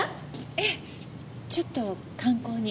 ええちょっと観光に。